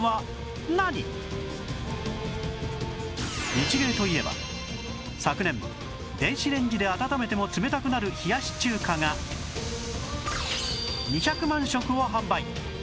ニチレイといえば昨年電子レンジで温めても冷たくなる冷やし中華が２００万食を販売